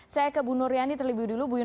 saya ke bu nur yani terlebih dulu